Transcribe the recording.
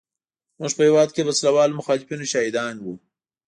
موږ په هېواد کې د وسله والو مخالفینو شاهدان وو.